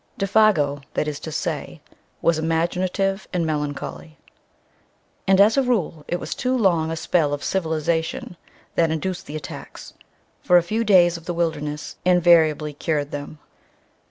Défago, that is to say, was imaginative and melancholy. And, as a rule, it was too long a spell of "civilization" that induced the attacks, for a few days of the wilderness invariably cured them.